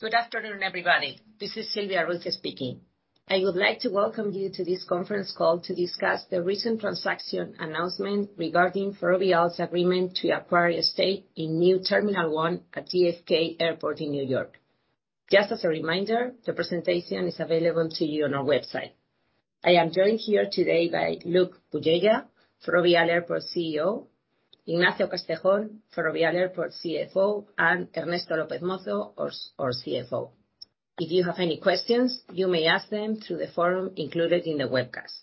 Good afternoon, everybody. This is Silvia Ruiz speaking. I would like to welcome you to this conference call to discuss the recent transaction announcement regarding Ferrovial's agreement to acquire a stake in New Terminal One at JFK Airport in New York. Just as a reminder, the presentation is available to you on our website. I am joined here today by Luke Bugeja, Ferrovial Airports CEO, Ignacio Gastón, Ferrovial Airports CFO, and Ernesto López Mozo, our CFO. If you have any questions, you may ask them through the forum included in the webcast.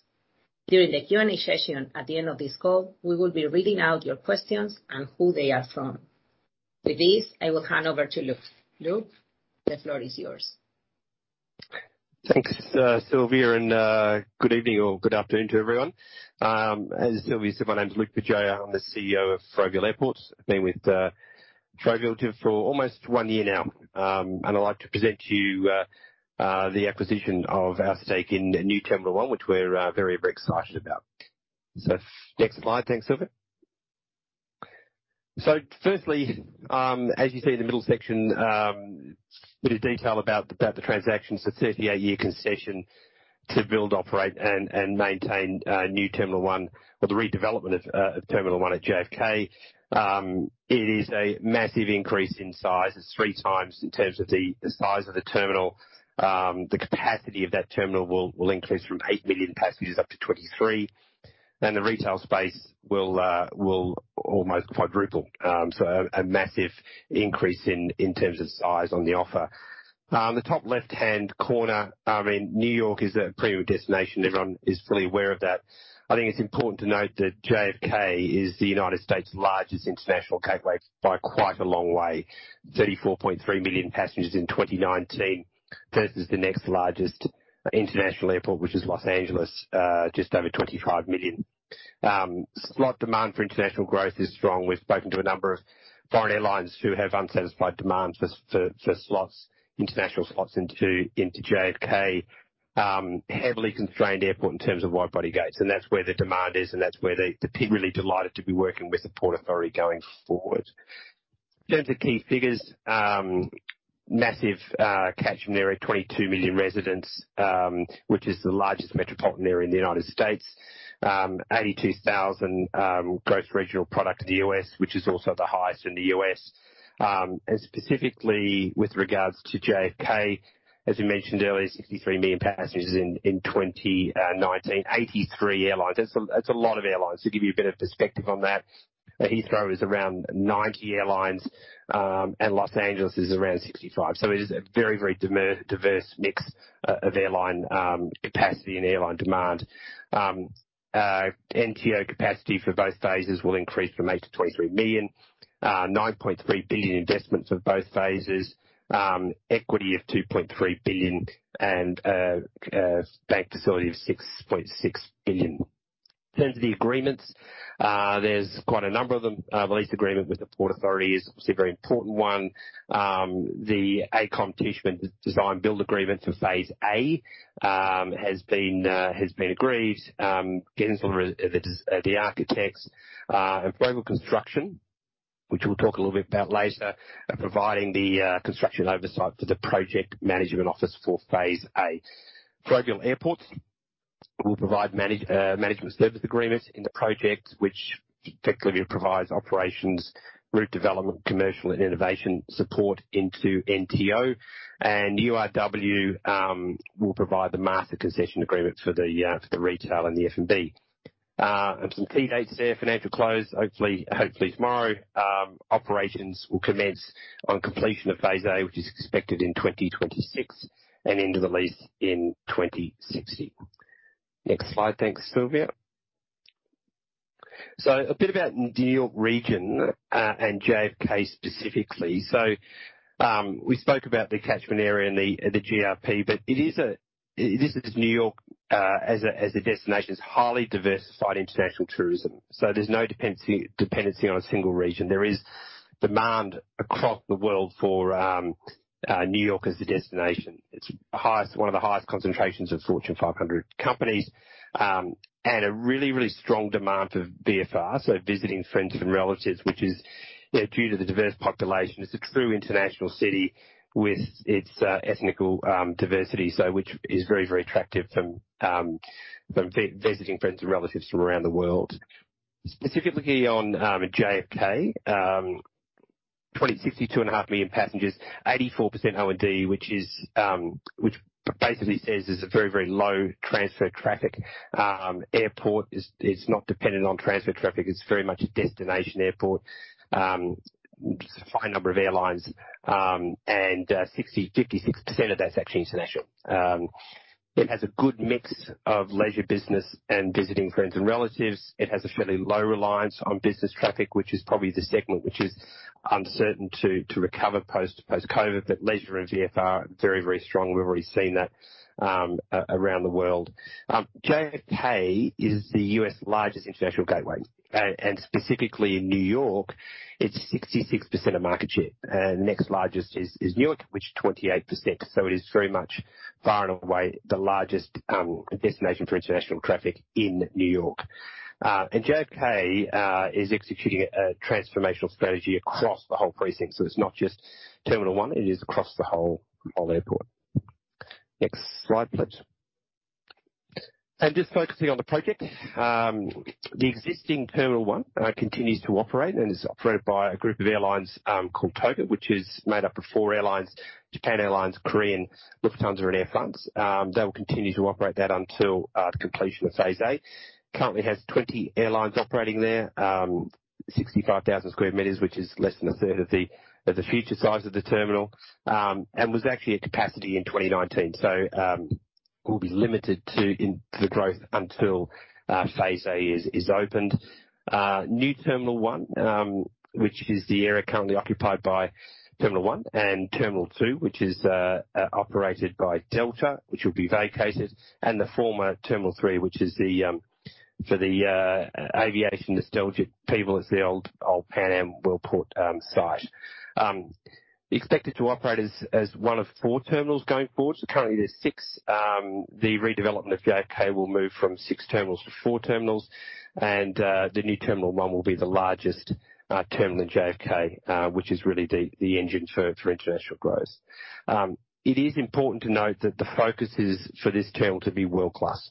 During the Q&A session at the end of this call, we will be reading out your questions and who they are from. With this, I will hand over to Luke. Luke, the floor is yours. Thanks, Silvia, and good evening or good afternoon to everyone. As Silvia said, my name is Luke Bugeja. I'm the CEO of Ferrovial Airports. I've been with Ferrovial team for almost one year now. I'd like to present to you the acquisition of our stake in New Terminal One, which we're very excited about. Next slide. Thanks, Silvia. Firstly, as you see in the middle section, a bit of detail about the transaction. It's a 38-year concession to build, operate and maintain New Terminal One or the redevelopment of Terminal One at JFK. It is a massive increase in size. It's three times in terms of the size of the terminal. The capacity of that terminal will increase from 8 million passengers up to 23, and the retail space will almost quadruple. A massive increase in terms of size on the offer. The top left-hand corner, I mean, New York is a premium destination. Everyone is fully aware of that. I think it's important to note that JFK is the United States largest international gateway by quite a long way. 34.3 million passengers in 2019 versus the next largest international airport, which is Los Angeles, just over 25 million. Slot demand for international growth is strong. We've spoken to a number of foreign airlines who have unsatisfied demands for slots, international slots into JFK. Heavily constrained airport in terms of wide-body gates, and that's where the demand is, and that's where we're really delighted to be working with the Port Authority going forward. In terms of key figures, massive catchment area, 22 million residents, which is the largest metropolitan area in the United States. 82,000 gross regional product in the U.S., which is also the highest in the U.S. Specifically with regards to JFK, as we mentioned earlier, 63 million passengers in 2019. 83 airlines. That's a lot of airlines. To give you a bit of perspective on that, Heathrow is around 90 airlines, and Los Angeles is around 65. It is a very, very diverse mix of airline capacity and airline demand. NTO capacity for both phases will increase from 8 to 23 million. $9.3 billion investments of both phases. Equity of $2.3 billion and bank facility of $6.6 billion. In terms of the agreements, there's quite a number of them. The lease agreement with the Port Authority is obviously a very important one. The AECOM Tishman design build agreement for phase A has been agreed. Gensler is the architects. Ferrovial Construction, which we'll talk a little bit about later, are providing the construction oversight for the project management office for phase A. Ferrovial Airports will provide management service agreements in the project, which effectively provides operations, route development, commercial and innovation support into NTO. URW will provide the master concession agreement for the retail and the F&B. Some key dates there. Financial close, hopefully tomorrow. Operations will commence on completion of phase A, which is expected in 2026, and end of the lease in 2060. Next slide. Thanks, Silvia. A bit about New York region and JFK specifically. We spoke about the catchment area and the GRP, but this is New York as a destination. It's highly diversified international tourism. There's no dependency on a single region. There is demand across the world for New York as a destination. One of the highest concentrations of Fortune 500 companies, and a really strong demand of VFR, so visiting friends and relatives, which is, you know, due to the diverse population. It's a true international city with its ethnic diversity, so which is very attractive from visiting friends and relatives from around the world. Specifically on JFK, 62.5 million passengers, 84% O&D which is, which basically says there's a very low transfer traffic. Airport is not dependent on transfer traffic. It's very much a destination airport. Just a high number of airlines, and 56% of that's actually international. It has a good mix of leisure business and visiting friends and relatives. It has a fairly low reliance on business traffic, which is probably the segment which is uncertain to recover post-COVID. Leisure and VFR very strong. We've already seen that around the world. JFK is the U.S. largest international gateway. Specifically in New York, it's 66% of market share. Next largest is Newark, which is 28%. It is very much far and away the largest destination for international traffic in New York. JFK is executing a transformational strategy across the whole precinct. It's not just Terminal One, it is across the whole airport. Next slide, please. Just focusing on the project, the existing Terminal One continues to operate and is operated by a group of airlines called TOGA, which is made up of four airlines, Japan Airlines, Korean Air, Lufthansa, and Air France. They will continue to operate that until the completion of phase A. Currently has 20 airlines operating there. 65,000 square meters, which is less than a third of the future size of the terminal. It was actually at capacity in 2019. We'll be limited in the growth until phase A is opened. New Terminal One, which is the area currently occupied by Terminal One and Terminal Two, which is operated by Delta, which will be vacated. The former Terminal 3, which is for the aviation nostalgic people, is the old Pan Am Worldport site. Expected to operate as one of four terminals going forward. Currently there's six. The redevelopment of JFK will move from six terminals to four terminals. The new Terminal One will be the largest terminal in JFK, which is really the engine for international growth. It is important to note that the focus is for this terminal to be world-class.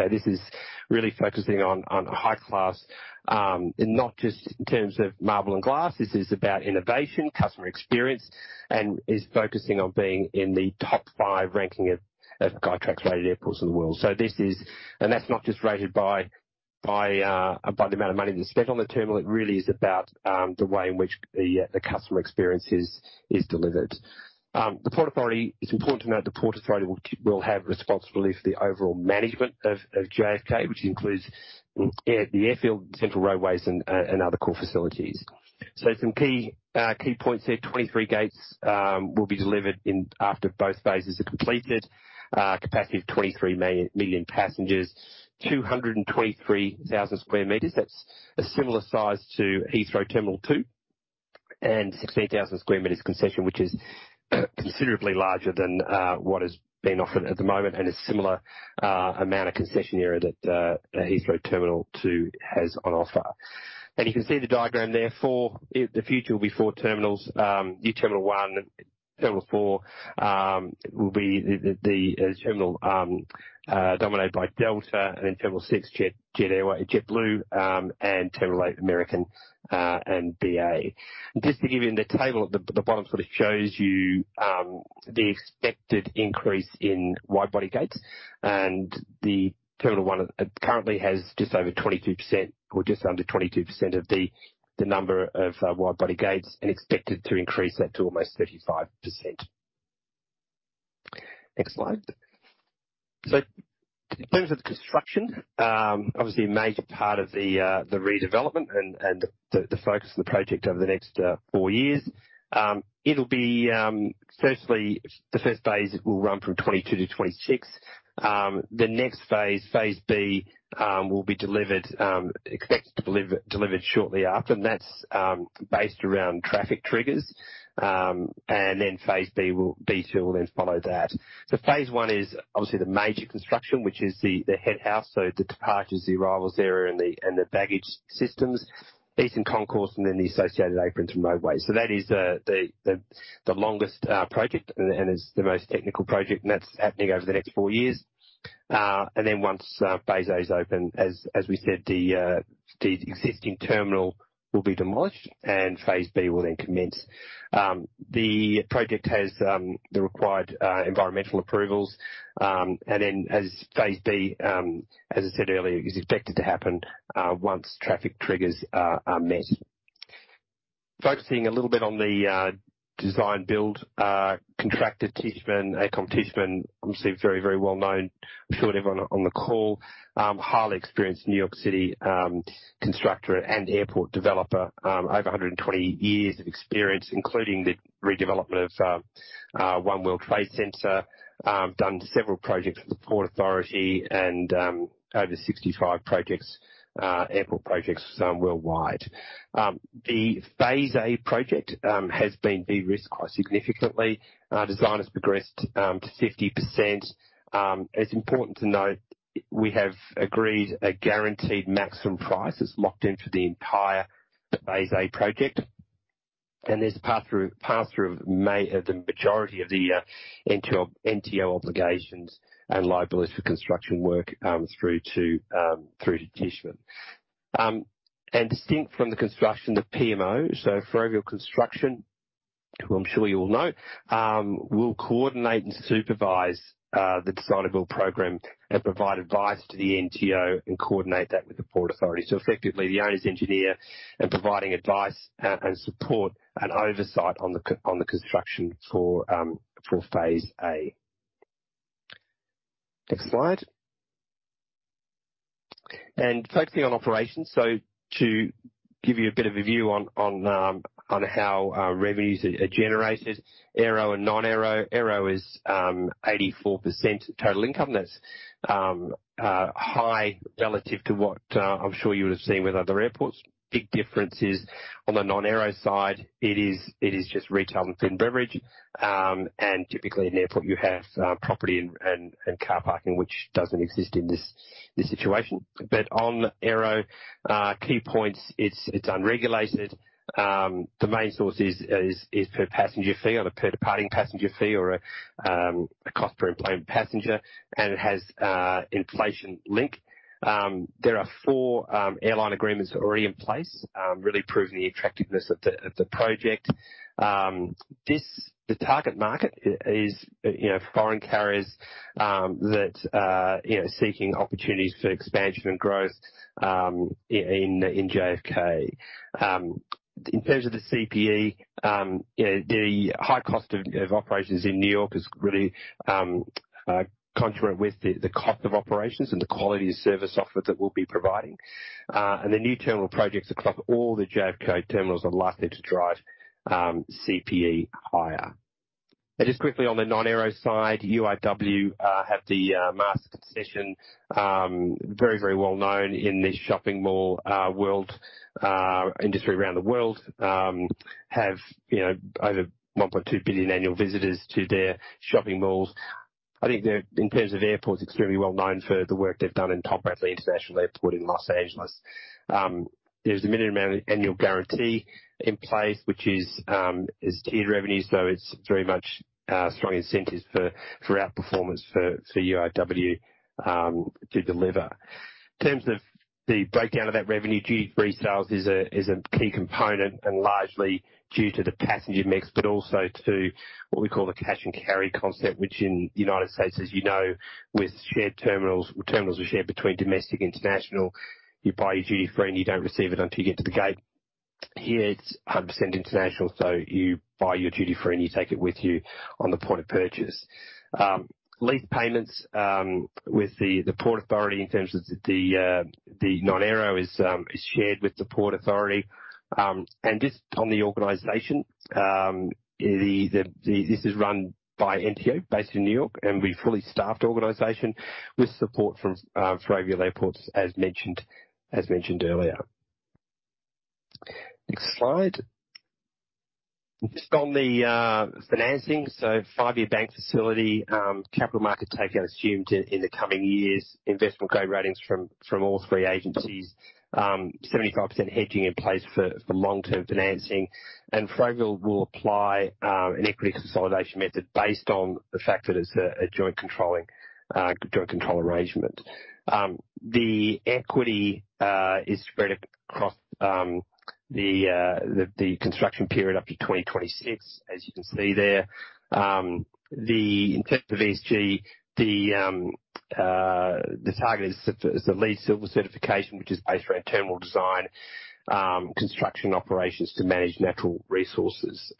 Okay. This is really focusing on high class. Not just in terms of marble and glass. This is about innovation, customer experience, and is focusing on being in the top five ranking of Skytrax rated airports in the world. This is That's not just rated by the amount of money that's spent on the terminal. It really is about the way in which the customer experience is delivered. The Port Authority. It's important to note the Port Authority will have responsibility for the overall management of JFK, which includes the airfield, central railways, and other core facilities. Some key points there. 23 gates will be delivered after both phases are completed. Capacity of 23 million passengers. 223,000 square meters. That's a similar size to Heathrow Terminal Two. 16,000 square meters concession, which is considerably larger than what is being offered at the moment, and a similar amount of concession area that Heathrow Terminal Two has on offer. You can see the diagram there. The future will be four terminals. New Terminal One, Terminal Four will be the terminal dominated by Delta, and then Terminal Six, JetBlue, and Terminal Eight, American, and BA. Just to give you the table at the bottom sort of shows you the expected increase in wide-body gates. The Terminal One currently has just over 22% or just under 22% of the number of wide-body gates, and expected to increase that to almost 35%. Next slide. In terms of the construction, obviously a major part of the redevelopment and the focus of the project over the next four years. It'll be, firstly, the first phase will run from 2022 to 2026. The next phase B, will be delivered shortly after, and that's based around traffic triggers. Phase B two will then follow that. Phase one is obviously the major construction, which is the head house, so the departures, the arrivals area, and the baggage systems, eastern concourse, and then the associated aprons and roadways. That is the longest project and is the most technical project. That's happening over the next four years. Once phase A is open, as we said, the existing terminal will be demolished, and phase B will then commence. The project has the required environmental approvals. As phase B, as I said earlier, is expected to happen once traffic triggers are met. Focusing a little bit on the design build contractor AECOM Tishman, obviously very well known. I'm sure everyone on the call highly experienced New York City constructor and airport developer. Over 120 years of experience, including the redevelopment of One World Trade Center. Done several projects with the Port Authority and over 65 projects, airport projects, worldwide. The phase A project has been de-risked quite significantly. Design has progressed to 50%. It's important to note we have agreed a guaranteed maximum price that's locked in for the entire phase A project. There's pass through may the majority of the NTO obligations and liability for construction work, through to Tishman. Distinct from the construction, the PMO, so Ferrovial Construction, who I'm sure you all know, will coordinate and supervise the design-build program and provide advice to the NTO and coordinate that with the Port Authority. Effectively, the owner's engineer and providing advice and support and oversight on the construction for phase A. Next slide. Focusing on operations. To give you a bit of a view on how our revenues are generated, aero and non-aero. Aero is 84% total income. That's high relative to what I'm sure you would have seen with other airports. Big difference is on the non-aero side, it is just retail and food and beverage. Typically at an airport, you have property and car parking, which doesn't exist in this situation. On aero, key points, it's unregulated. The main source is per passenger fee on a per departing passenger fee or a cost per enplaned passenger, and it has an inflation link. There are four airline agreements already in place, really proving the attractiveness of the project. The target market is, you know, foreign carriers that you know seeking opportunities for expansion and growth in JFK. In terms of the CPE, you know, the high cost of operations in New York is really contrary with the cost of operations and the quality of service offer that we'll be providing. The new terminal projects across all the JFK terminals are likely to drive CPE higher. Just quickly on the non-aero side, URW have the master concession, very, very well known in the shopping mall world industry around the world. Have, you know, over 1.2 billion annual visitors to their shopping malls. I think they're, in terms of airports, extremely well known for the work they've done in Tom Bradley International Airport in Los Angeles. There's a minimum annual guarantee in place, which is tiered revenues, so it's very much strong incentives for outperformance for URW to deliver. In terms of the breakdown of that revenue, duty-free sales is a key component and largely due to the passenger mix, but also to what we call the cash and carry concept, which in United States, as you know, with shared terminals are shared between domestic international. You buy your duty-free, and you don't receive it until you get to the gate. Here it's 100% international, so you buy your duty-free, and you take it with you on the point of purchase. Lease payments with the Port Authority in terms of the non-aero is shared with the Port Authority. Just on the organization, this is run by NTO based in New York, and we're a fully staffed organization with support from Ferrovial Airports as mentioned earlier. Next slide. Just on the financing, five-year bank facility, capital market takeout assumed in the coming years, investment grade ratings from all three agencies, 75% hedging in place for long-term financing. Fraport will apply an equity consolidation method based on the fact that it's a joint control arrangement. The equity is spread across the construction period up to 2026, as you can see there. In terms of ESG, the target is the LEED Silver certification, which is based around terminal design, construction operations to manage natural resources,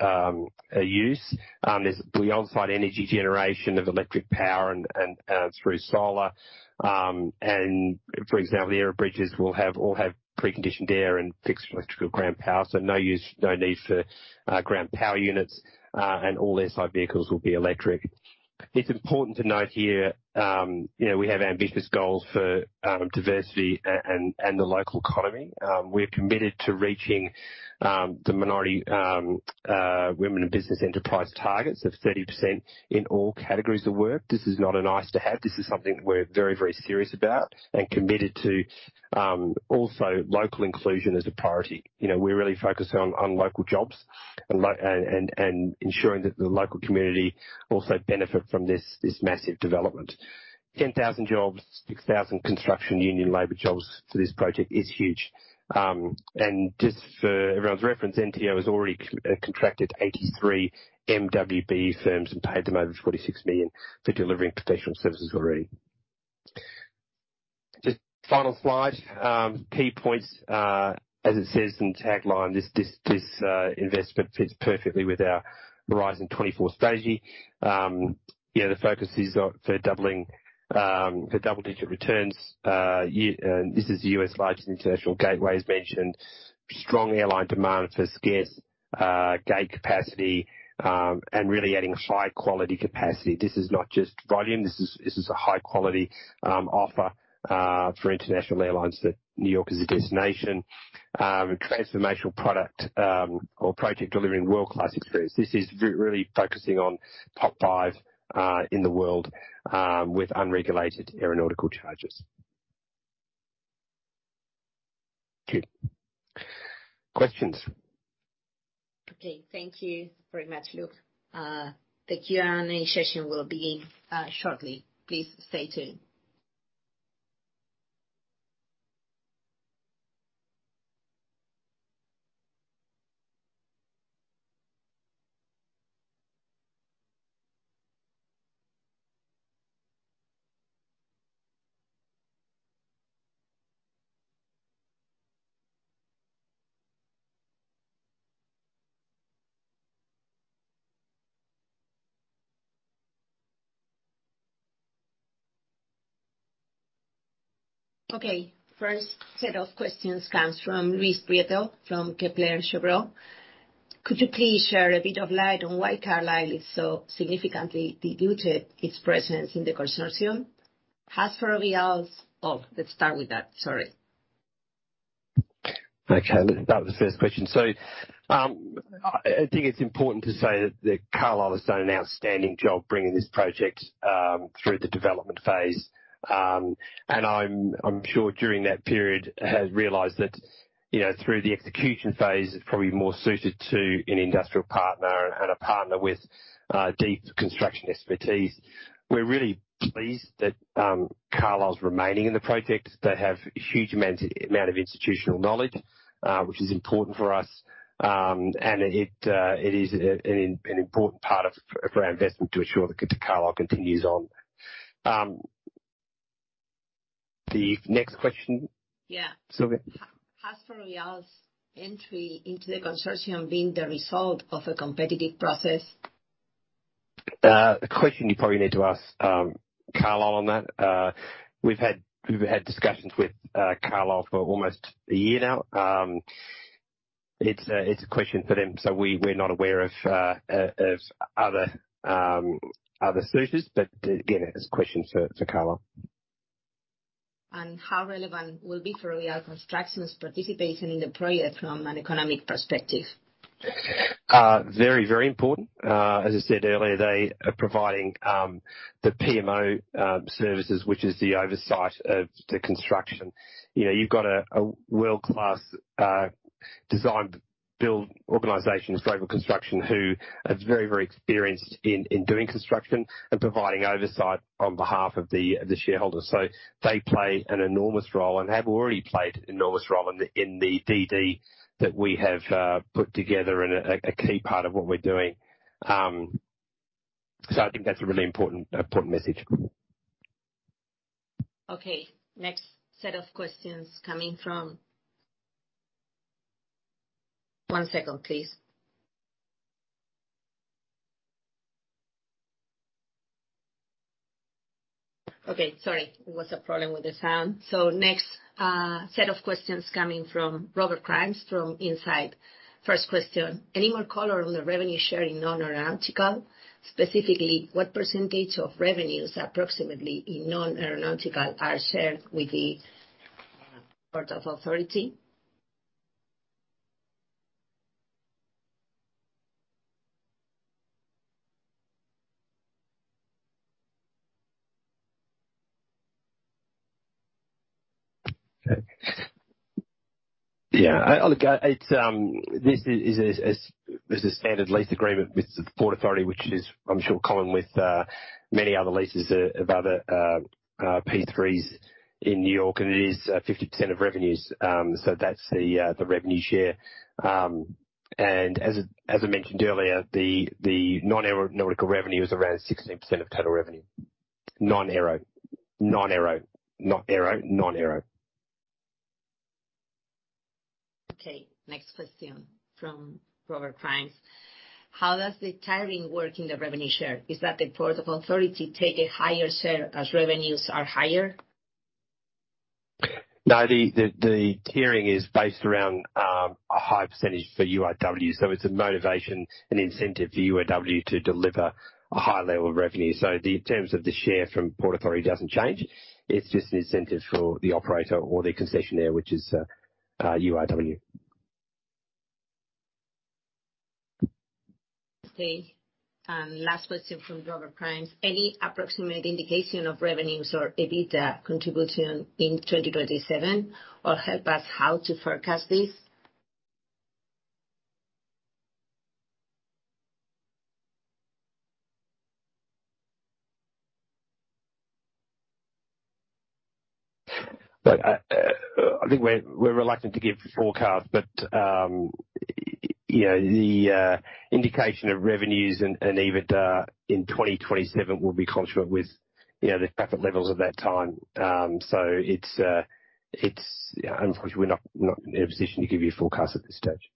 use. There's the on-site energy generation of electric power and through solar. For example, the aerobridges will all have preconditioned air and fixed electrical ground power, so no use, no need for ground power units, and all their site vehicles will be electric. It's important to note here, you know, we have ambitious goals for diversity and the local economy. We're committed to reaching the minority women in business enterprise targets of 30% in all categories of work. This is not a nice-to-have. This is something that we're very, very serious about and committed to. Also local inclusion is a priority. You know, we're really focused on local jobs and ensuring that the local community also benefit from this massive development. 10,000 jobs, 6,000 construction union labor jobs for this project is huge. Just for everyone's reference, NTO has already contracted 83 MWBE firms and paid them over $46 million for delivering professional services already. Just final slide. Key points, as it says in the tagline, this investment fits perfectly with our Horizon 24 strategy. You know, the focus is on doubling for double-digit returns. This is the U.S. largest international gateway as mentioned. Strong airline demand for scarce gate capacity, and really adding high quality capacity. This is not just volume. This is a high quality offer for international airlines that New York is a destination. Transformational product or project delivering world-class experience. This is really focusing on top five in the world with unregulated aeronautical charges. Thank you. Questions? Okay. Thank you very much, Luke. The Q&A session will begin shortly. Please stay tuned. Okay. First set of questions comes from Luis Prieto from Kepler Cheuvreux. Could you please shed a bit of light on why Carlyle has so significantly diluted its presence in the consortium? Okay. That was the first question. I think it's important to say that Carlyle has done an outstanding job bringing this project through the development phase. I'm sure during that period has realized that, you know, through the execution phase, it's probably more suited to an industrial partner and a partner with deep construction expertise. We're really pleased that Carlyle is remaining in the project. They have huge amount of institutional knowledge, which is important for us, and it is an important part of our investment to ensure that Carlyle continues on. The next question. Yeah. Sylvia. Has Ferrovial's entry into the consortium been the result of a competitive process? A question you probably need to ask Carlyle on that. We've had discussions with Carlyle for almost a year now. It's a question for them. We're not aware of other suitors. Again, it's a question for Carlyle. How relevant will be Ferrovial Construction's participation in the project from an economic perspective? Very important. As I said earlier, they are providing the PMO services, which is the oversight of the construction. You know, you've got a world-class design build organization, Ferrovial Construction, who are very experienced in doing construction and providing oversight on behalf of the shareholders. They play an enormous role and have already played an enormous role in the DD that we have put together and a key part of what we're doing. I think that's a really important message. Next set of questions coming from Robert Crimes from Insight Investment. First question, any more color on the revenue share in non-aeronautical? Specifically, what percentage of revenues approximately in non-aeronautical are shared with the Port Authority? Yeah. Look, this is a standard lease agreement with the Port Authority, which, I'm sure, is common with many other leases of other P3s in New York, and it is 50% of revenues. That's the revenue share. As I mentioned earlier, the non-aeronautical revenue is around 16% of total revenue. Non-aero. Okay. Next question from Robert Crimes. How does the tiering work in the revenue share? Is that the Port Authority take a higher share as revenues are higher? No. The tiering is based around a high percentage for URW. It's a motivation and incentive for URW to deliver a high level of revenue. The terms of the share from Port Authority doesn't change. It's just an incentive for the operator or the concessionaire, which is URW. Okay. Last question from Robert Crimes. Any approximate indication of revenues or EBITDA contribution in 2027, or help us how to forecast this? Look, I think we're reluctant to give forecast, but you know, the indication of revenues and EBITDA in 2027 will be consonant with, you know, the traffic levels at that time. Unfortunately, we're not in a position to give you a forecast at this stage.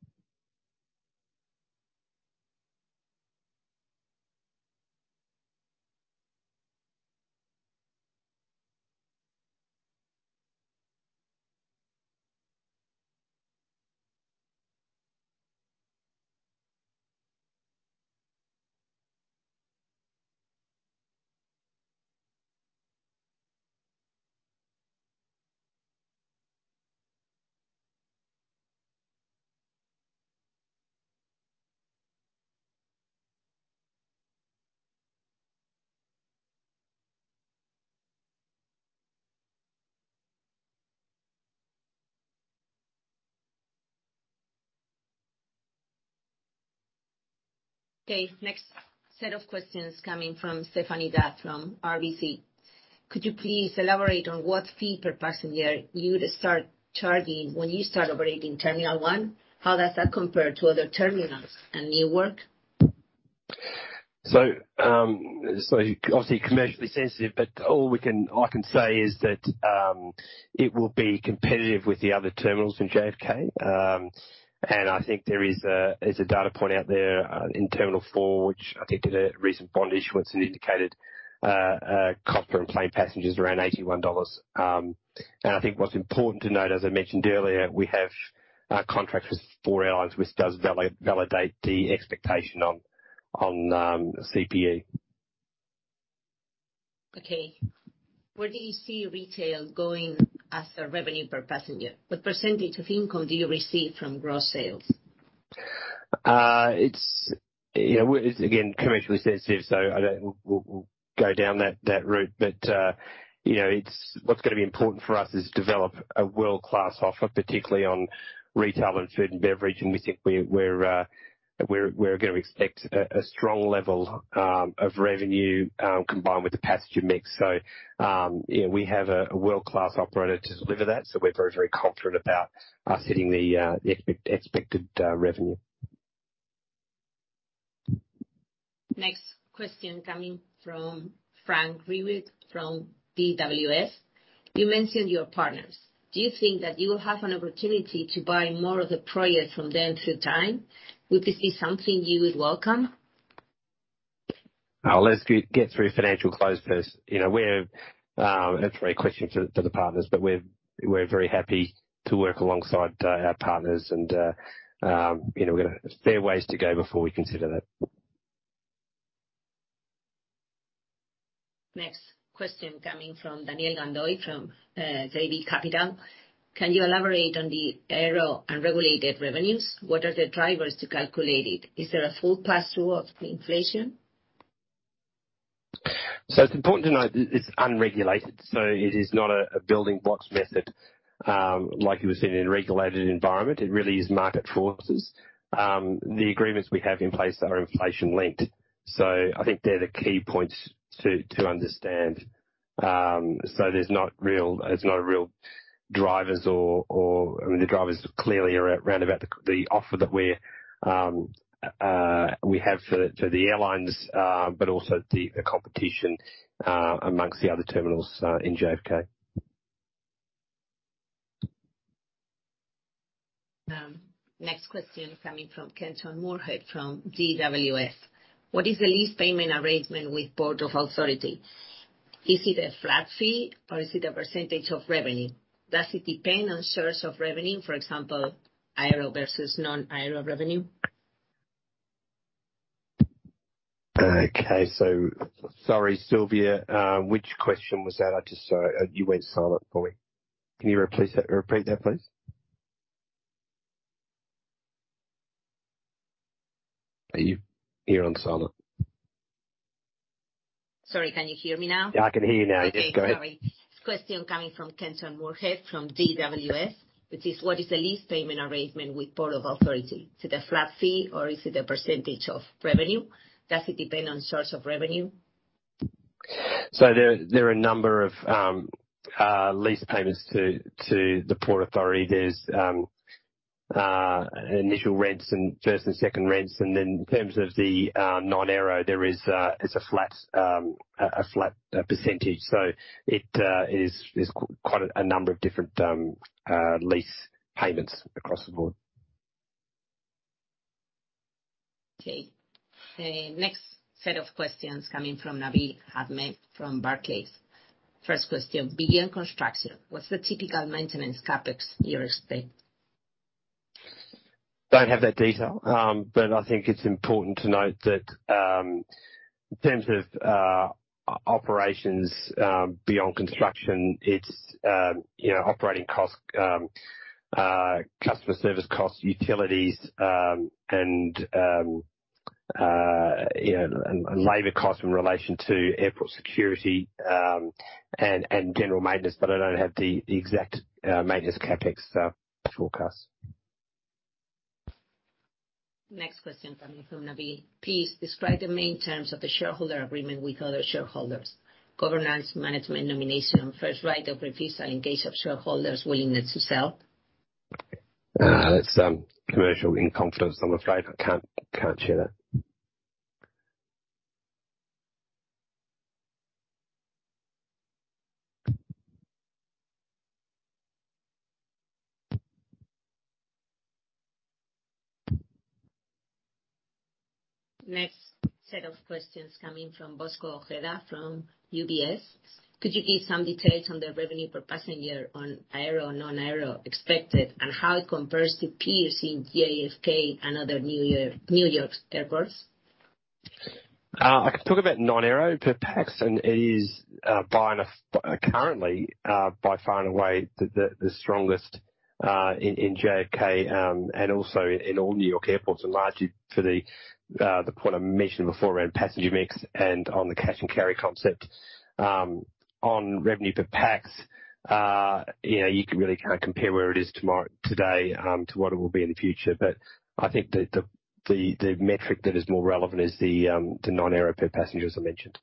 Okay. Next set of questions coming from Stephanie Da from RBC. Could you please elaborate on what fee per passenger you'd start charging when you start operating Terminal 1? How does that compare to other terminals in Newark? Obviously commercially sensitive, but I can say that it will be competitive with the other terminals in JFK. I think there is a data point out there in Terminal 4, which I think did a recent bond issuance and indicated cost per enplaned passenger is around $81. I think what's important to note, as I mentioned earlier, we have contracts with four airlines which does validate the expectation on CPE. Okay. Where do you see retail going as a revenue per passenger? What percentage of income do you receive from gross sales? It's you know it's again commercially sensitive so we'll go down that route. You know it's what's gonna be important for us is develop a world-class offer particularly on retail and food and beverage. We think we're gonna expect a strong level of revenue combined with the passenger mix. You know we have a world-class operator to deliver that. We're very confident about us hitting the expected revenue. Next question coming from Frank Riemigo from DWS. You mentioned your partners. Do you think that you will have an opportunity to buy more of the projects from them through time? Would this be something you would welcome? I'll let you get through financial close first. You know, that's really a question for the partners. We're very happy to work alongside our partners and, you know, there are ways to go before we consider that. Next question coming from Daniel Gandoy from JB Capital. Can you elaborate on the aeronautical unregulated revenues? What are the drivers to calculate it? Is there a full pass-through of the inflation? It's important to note it's unregulated, so it is not a building blocks method, like it was in a regulated environment. It really is market forces. The agreements we have in place are inflation linked, so I think they're the key points to understand. There are no real drivers. I mean, the drivers clearly are all about the offer that we have for the airlines, but also the competition amongst the other terminals in JFK. Next question coming from Kenton Moorhead from DWS. What is the lease payment arrangement with Port Authority of New York and New Jersey? Is it a flat fee or is it a percentage of revenue? Does it depend on source of revenue, for example, aero versus non-aero revenue? Okay. Sorry, Sylvia. Which question was that? I just, you went silent for me. Can you replace that or repeat that, please? Are you hearing silent? Sorry, can you hear me now? Yeah, I can hear you now. Okay. Yes, go ahead. Sorry. This question coming from Kenton Moorhead from DWS, which is, what is the lease payment arrangement with Port Authority? Is it a flat fee or is it a percentage of revenue? Does it depend on source of revenue? There are a number of lease payments to the Port Authority. There's initial rents and first and second rents. In terms of the non-aero, it's a flat percentage. There's quite a number of different lease payments across the board. Okay. The next set of questions coming from Nabih Ahmed from Barclays. First question, beyond construction, what's the typical maintenance CapEx per estate? Don't have that detail. I think it's important to note that, in terms of operations, beyond construction, it's you know, operating costs, customer service costs, utilities, and you know, and labor costs in relation to airport security, and general maintenance, but I don't have the exact maintenance CapEx forecast. Next question coming from Nabih Ahmed. Please describe the main terms of the shareholder agreement with other shareholders. Governance, management, nomination, first right of refusal in case of shareholders' willingness to sell? That's commercial in confidence, I'm afraid. I can't share that. Next set of questions coming from Bosco Ojeda from UBS. Could you give some details on the revenue per passenger on aero, non-aero expected and how it compares to peers in JFK and other New York airports? I can talk about non-aero per pax, and it is currently by far and away the strongest in JFK, and also in all New York airports, and largely for the point I mentioned before around passenger mix and on the cash and carry concept. On revenue per pax, you know, you can really kinda compare where it is today to what it will be in the future. I think the metric that is more relevant is the non-aero per passenger, as I mentioned.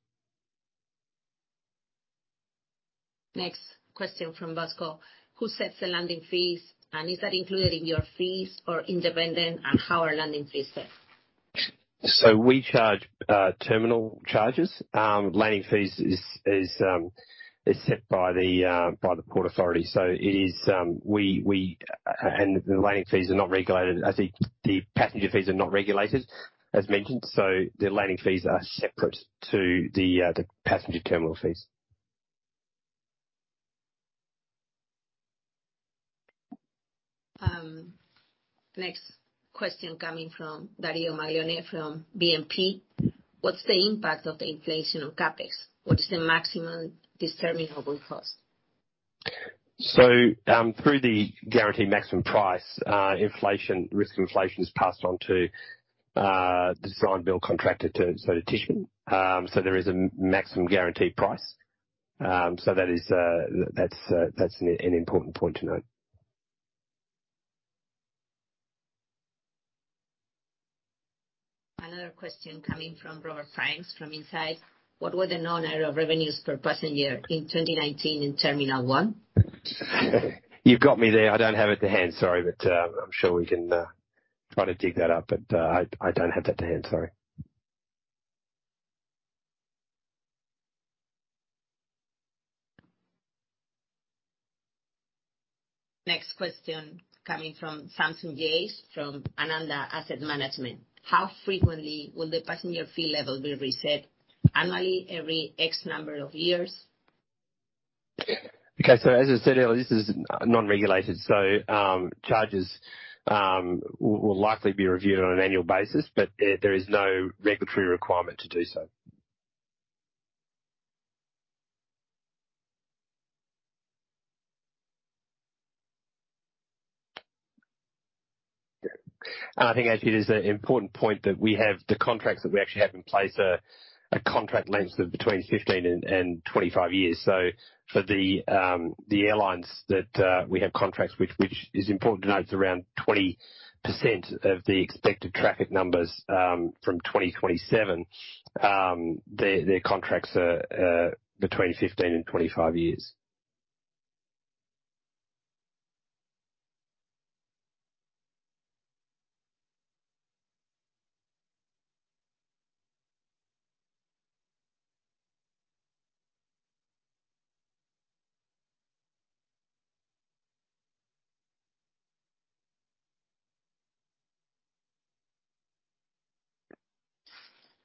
Next question from Bosco Ojeda. Who sets the landing fees, and is that included in your fees or independent? On how are landing fees set? We charge terminal charges. Landing fees is set by the Port Authority. It is, and the landing fees are not regulated. I think the passenger fees are not regulated, as mentioned, so the landing fees are separate to the passenger terminal fees. Next question coming from Dario Maggiore from BNP. What's the impact of the inflation on CapEx? What is the maximum determinable cost? Through the guaranteed maximum price, inflation risk is passed on to the design-build contractor to Mm-hmm. to Tishman. There is a maximum guaranteed price. That is an important point to note. Another question coming from Robert Crimes from Insight Investment. What were the non-aero revenues per passenger in 2019 in Terminal One? You've got me there. I don't have it to hand, sorry. I'm sure we can try to dig that up, but I don't have that to hand, sorry. Next question coming from Samsonite Jeyaseelan from Aananda Asset Management. How frequently will the passenger fee level be reset? Annually? Every X number of years? Okay. As I said earlier, this is non-regulated, so charges will likely be reviewed on an annual basis. There is no regulatory requirement to do so. I think, actually, it is an important point that we have the contracts that we actually have in place are a contract length of between 15 and 25 years. For the airlines that we have contracts with, which is important to note, is around 20% of the expected traffic numbers from 2027. Their contracts are between 15 and 25 years.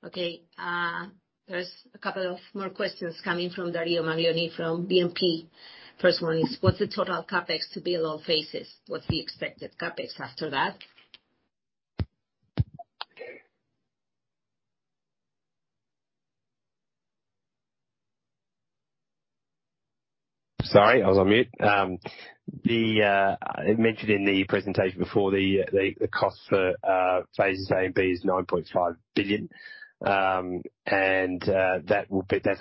Okay. There's a couple of more questions coming from Dario Maggiore from BNP Paribas. First one is, what's the total CapEx to build all phases? What's the expected CapEx after that? Sorry, I was on mute. I mentioned in the presentation before the cost for phases A and B is $9.5 billion. That's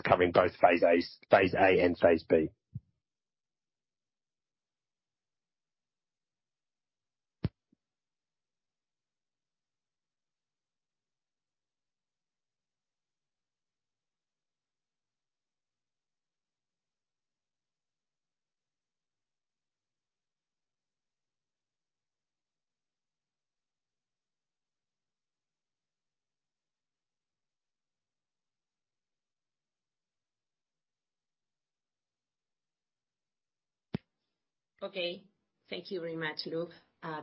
covering both phase A and phase B. Okay. Thank you very much, Luke.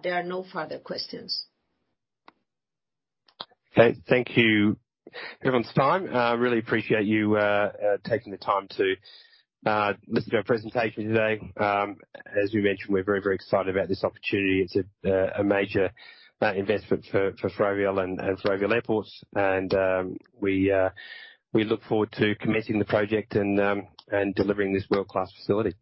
There are no further questions. Okay. Thank you, everyone's time. Really appreciate you taking the time to listen to our presentation today. As we mentioned, we're very excited about this opportunity. It's a major investment for Ferrovial and Ferrovial Airports. We look forward to commencing the project and delivering this world-class facility.